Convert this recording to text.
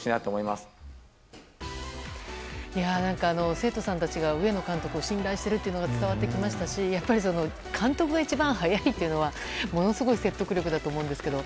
生徒さんたちが上野監督を信頼しているのが伝わってきましたしやっぱり監督が一番速いというのはものすごい説得力だと思うんですが。